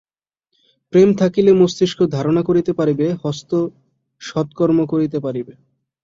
প্রেম থাকিলে মস্তিষ্ক ধারণা করিতে পারিবে, হস্ত সৎকর্ম করিতে পারিবে।